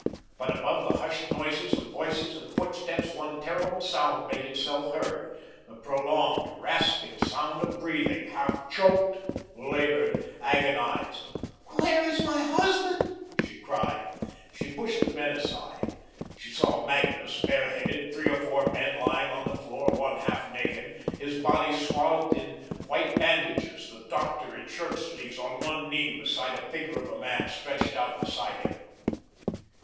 But above the hushed noises of voices and footsteps, one terrible sound made itself heard the prolonged, rasping sound of breathing, half choked, laboured, agonised. "Where is my husband?" she cried. She pushed the men aside. She saw Magnus, bareheaded, three or four men lying on the floor, one half naked, his body swathed in white bandages; the doctor in shirt sleeves, on one knee beside a figure of a man stretched out beside him.